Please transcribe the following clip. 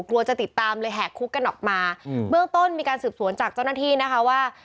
กลัวจะติดตามเลยแหกคุกกันออกมาอืมเบื้องต้นมีการสืบสวนจากเจ้าหน้าที่นะคะว่า